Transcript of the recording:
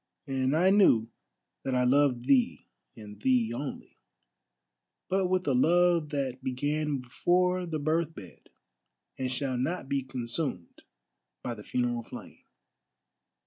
And I knew that I loved thee, and thee only, but with a love that began before the birth bed, and shall not be consumed by the funeral flame."